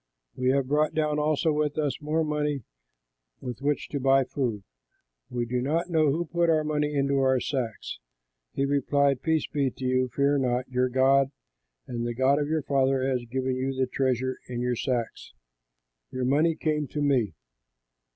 We have brought down with us more money with which to buy food. We do not know who put our money into our sacks." He replied, "Peace be to you, fear not; your God and the God of your father has given you the treasure in your sacks; your money came to me."